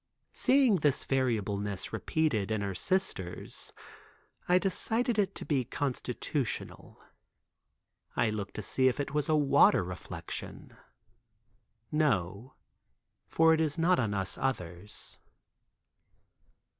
Seeing this variableness repeated in her sisters I decided it to be constitutional; I looked to see if it was a water reflection. No, for it is not on us others.